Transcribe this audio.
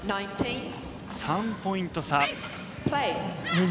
３ポイント差。